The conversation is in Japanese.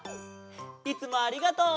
いつもありがとう！